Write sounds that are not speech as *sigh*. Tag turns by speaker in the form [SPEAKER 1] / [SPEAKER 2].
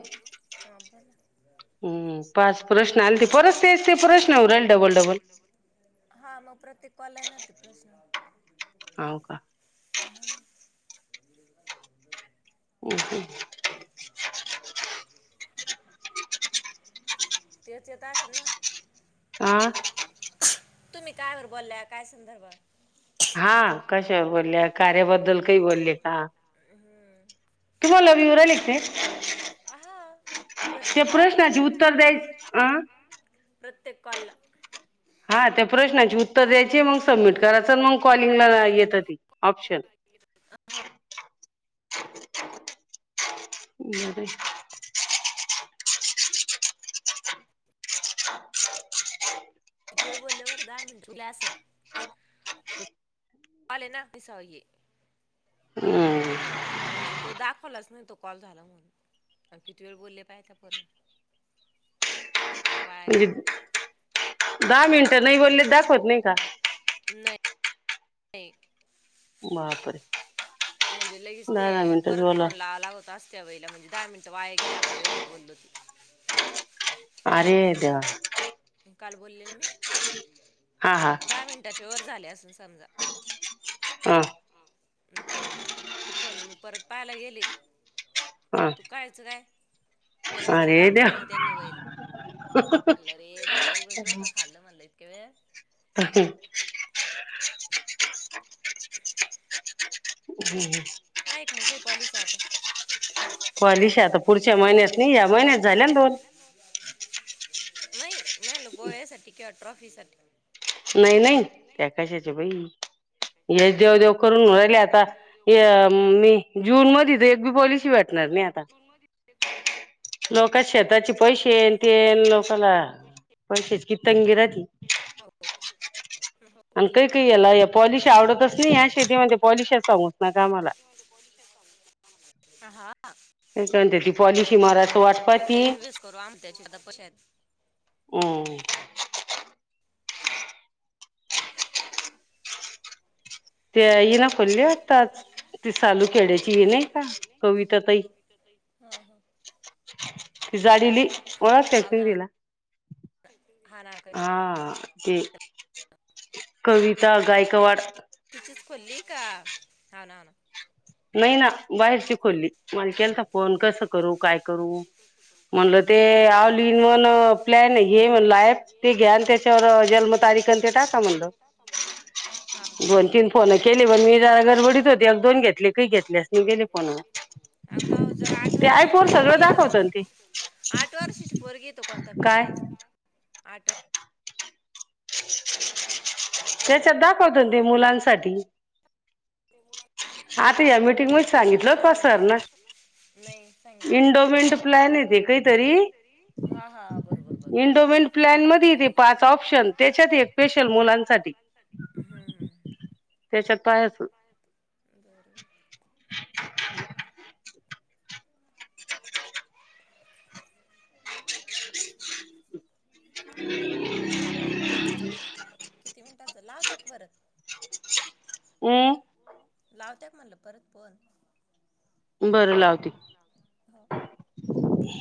[SPEAKER 1] Hello हा बोला पाच प्रश्न आलते परत तेच तेच प्रश्न येऊ राहिले डबल डबल हा प्रत्येक कॉला ये नाय ते प्रश्न
[SPEAKER 2] हाऊ का?
[SPEAKER 1] हा
[SPEAKER 2] *inaudible* *inaudible*
[SPEAKER 1] तेच येत असल ना?
[SPEAKER 2] आ
[SPEAKER 1] तुम्ही कायबर बोलल्या काय संदर्भात
[SPEAKER 2] हा कशावर बोलल्या? कार्याबद्दल काही बोलले का? तुम्हाला विवरालते काय
[SPEAKER 1] हा
[SPEAKER 2] त्या
[SPEAKER 1] प्रत्येक कॉलला
[SPEAKER 2] प्रश्नाची उत्तर द्यायच अ
[SPEAKER 1] ते कॉल
[SPEAKER 2] हा ते प्रश्नां उत्तर द्यायची मग सबमिट करायच मग कॉलिंगला येत ते ऑप्शन *inaudible*
[SPEAKER 1] किती वेळ बोललेवर दहा मिनट दिला असल मला ना दिसाव हे म्हणजे तो दाखवलाच नाही तो कॉल झाला म्हणून किती वेळ बोलले पहाय आपण वाया
[SPEAKER 2] म्हणजे
[SPEAKER 1] गेला,
[SPEAKER 2] दहा मिनिटं नाही बोलले दाखवत नाही का
[SPEAKER 1] नाही एट
[SPEAKER 2] बापरे
[SPEAKER 1] म्हणजे लगेच ते
[SPEAKER 2] दहा दहा मिनिटच
[SPEAKER 1] परत
[SPEAKER 2] बोला
[SPEAKER 1] फोन लावाय लावत असत्यावयला म्हणजे दहा मिनिट त वाया गेले आपले एवढं बोललोत
[SPEAKER 2] अरे देवा
[SPEAKER 1] काल बोललेल मी
[SPEAKER 2] हा हा
[SPEAKER 1] दहा मिनटाच्या वर झाले असस सांजा
[SPEAKER 2] हा
[SPEAKER 1] त तो फोन परत पाहायला गेले
[SPEAKER 2] हा
[SPEAKER 1] तू कायच काय फोनच तर
[SPEAKER 2] अरे
[SPEAKER 1] दाखवलं
[SPEAKER 2] देवा
[SPEAKER 1] ना त्यांनी वई म्हटलं रे देवा उगीच डोकं खाल्लं म्हणलय *unintelligible*
[SPEAKER 2] ह हम्म हं
[SPEAKER 1] आय क मंग काय पॉलिसी आता? पॉलिसी आता पुढच्या महिन्यात नाही या महिन्यात झाल्याना भाऊ नाही मी म्हणल गोव्यासाठी किंवा ट्रॉफी साठी
[SPEAKER 2] नाही नाही त्या कशाचे बाई ये देव देव करून व्हय मी आता ह्य मी जून मध्ये तर एक बी पॉलिसी वाट णार नाही आता लोका शेताचे पैशे येन तेन लोकाला पैशाची किती तंगी राहती आणि काही काही याला या पॉलिशी आवडतच नाही या शेतीमध्ये पॉलिशच सांगूच नका आम्हाला
[SPEAKER 1] हां
[SPEAKER 2] इमारत वाट पाहती
[SPEAKER 1] त्याचे आता पैसे
[SPEAKER 2] हंम्म ते इरा पडले आताच ती सालू खेड्याची ही नाई का कविता ताई,
[SPEAKER 1] आहेत
[SPEAKER 2] ती जाडिली ओळकता क
[SPEAKER 1] हा
[SPEAKER 2] तुमी
[SPEAKER 1] ना
[SPEAKER 2] तिला? हा *unintelligible* कविता गायकवाड
[SPEAKER 1] तिचीच खोलली का? हौ ना हौ ना
[SPEAKER 2] नई ना बाहेरची खोली मल केलता फोन कसं करू, काय करू म्हणलं ते ऑल इन वन प्लॅन घे म्हणलं हायत ते घ्या आणि त्याच्यावर जन्मतारीख अन ते टाका म्हणलं,
[SPEAKER 1] हा
[SPEAKER 2] दोन तीन फोनं केले पण मी जरा गडबडीत होते अज दोन घेतले काही घेतले असतील गेले पण
[SPEAKER 1] अ का ओ जर आठ वरशाची पोरगी तर मग
[SPEAKER 2] ते
[SPEAKER 1] आठ वरशाची पोरगी तर कोणता प्लॅन
[SPEAKER 2] काय
[SPEAKER 1] हाय अजून? आठ
[SPEAKER 2] त्याच्यात दाखवते ना ते मुलांसाठी आता या
[SPEAKER 1] प
[SPEAKER 2] मीटिंग
[SPEAKER 1] ते
[SPEAKER 2] मध्ये
[SPEAKER 1] पैसे
[SPEAKER 2] सांगितलं
[SPEAKER 1] लागू
[SPEAKER 2] होत
[SPEAKER 1] राहिले ना,
[SPEAKER 2] सरनं
[SPEAKER 1] नाही सांगितलं नाही.
[SPEAKER 2] इंडोमेंट प्लॅन आहे ते काहीतरी इंडोमेंट प्लॅन मध्ये येते पाच ऑप्शन त्याच्यात एक स्पेशल मुलांसाठी
[SPEAKER 1] हम्म हम्म
[SPEAKER 2] तेच्यात
[SPEAKER 1] *inaudible*
[SPEAKER 2] *inaudible*
[SPEAKER 1] किती मिनिटाच? लाव त्याक वरच
[SPEAKER 2] हम्म
[SPEAKER 1] लावत्या क म्हणलं परत फोन?
[SPEAKER 2] बरं लावते
[SPEAKER 1] हो.
[SPEAKER 2] *inaudible*